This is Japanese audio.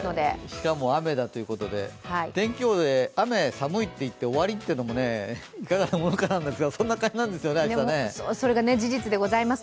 しかも雨だということで天気予報で雨、寒い、終わりっていうのはいかがなものかなんですが、そんな感じなんですね、明日ね。